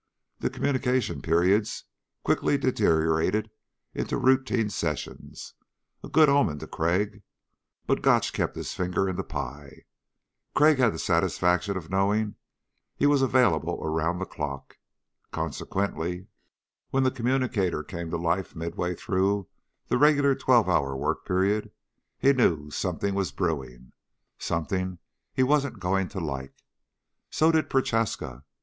The communication periods quickly deteriorated into routine sessions a good omen to Crag but Gotch kept his finger in the pie. Crag had the satisfaction of knowing he was available around the clock. Consequently, when the communicator came to life midway through the regular twelve hour work period, he knew something was brewing something he wasn't going to like. So did Prochaska.